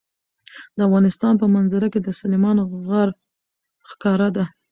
د افغانستان په منظره کې سلیمان غر ښکاره ده.